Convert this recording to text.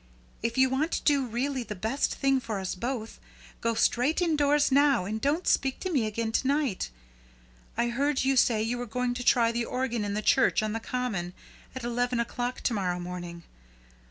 If you want to do really the best thing for us both, go straight indoors now and don't speak to me again to night. I heard you say you were going to try the organ in the church on the common at eleven o'clock to morrow morning.